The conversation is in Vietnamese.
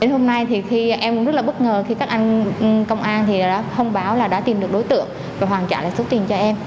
hôm nay thì khi em cũng rất là bất ngờ khi các anh công an thì đã thông báo là đã tìm được đối tượng và hoàn trả lại số tiền cho em